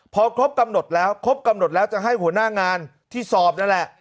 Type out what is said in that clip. พอครบกำหนดแล้วครบกำหนดแล้วจะให้หัวหน้างานที่สอบนั่นแหละ